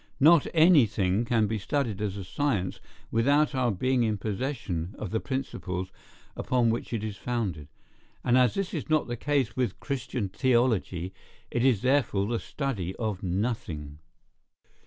Not any thing can be studied as a science without our being in possession of the principles upon which it is founded; and as this is not the case with Christian theology, it is therefore the study of nothing.